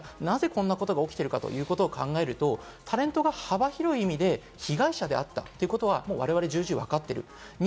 じゃあ、なぜこういうことが起きているかということを考えると、タレントが幅広い意味で被害者であったということは、我々も重々わかっている。